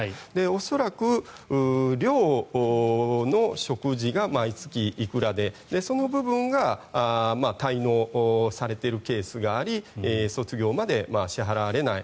恐らく寮の食事が毎月いくらで、その部分が滞納されているケースがあり卒業まで支払われない